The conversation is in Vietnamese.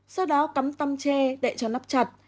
sau đó cắm tăm tre đậy cho nắp chặt